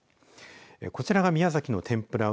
こちらが宮崎の天ぷらう